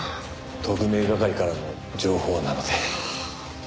特命係からの情報なので。